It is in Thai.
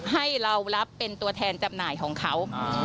ให้เรารับเป็นตัวแทนจำหน่ายของเขา